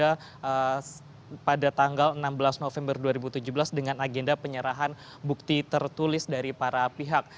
dan juga pada tanggal enam belas november dua ribu tujuh belas dengan agenda penyerahan bukti tertulis dari para pihak